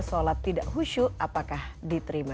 sholat tidak khusyuk apakah diterima